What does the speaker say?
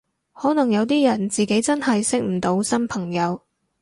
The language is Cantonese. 可能有啲人自己真係識唔到新朋友